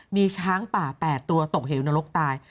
มีช้างป่า๘ตัวตกเหวนรกตาย